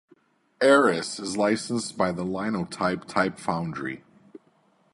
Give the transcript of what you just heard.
Eras is licensed by the Linotype type foundry.